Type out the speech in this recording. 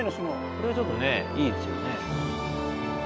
これはちょっとねいいですよね。